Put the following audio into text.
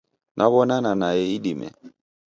Naw'onana nae idime.